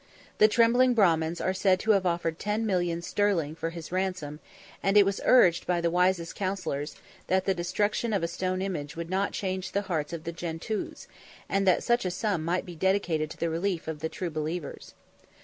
The trembling Brahmins are said to have offered ten millions 711 sterling for his ransom; and it was urged by the wisest counsellors, that the destruction of a stone image would not change the hearts of the Gentoos; and that such a sum might be dedicated to the relief of the true believers.